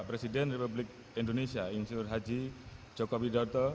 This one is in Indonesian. dan mengingatresai ke indonesia belum berlangsung